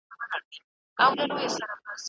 زده کړه بايد په هر حال کي وي.